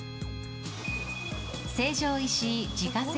成城石井自家製